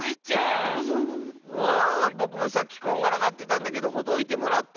ぼくもさっきこんがらがってたんだけどほどいてもらった。